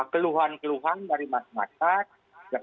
keluhan keluhan dari masyarakat